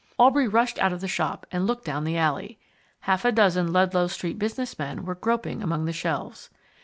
Aubrey rushed out of the shop and looked down the alley. Half a dozen Ludlow Street Business Men were groping among the shelves.